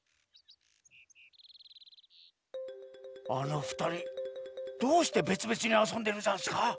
あのふたりどうしてべつべつにあそんでるざんすか？